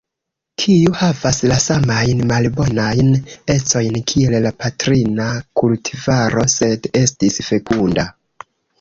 Kiu havas la samajn malbonajn ecojn kiel la patrina kultivaro, sed estis fekunda.